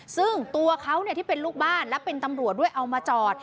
ซึ่งตัวเขาที่เป็นลูกบ้านและเป็นตำรวจด้วยเอามาจอด